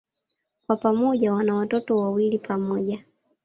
Kwa pamoja wana watoto wawili pamoja.